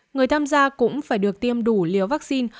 người tham gia cũng phải được tiêm đủ liều vaccine